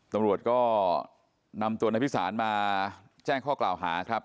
ตำรวจก็นำตัวนายพิสารมาแจ้งข้อกล่าวหาครับ